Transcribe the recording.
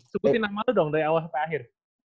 sebutin nama lo dong dari awal sampai akhir